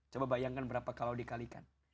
coba bayangkan berapa kalau dikalikan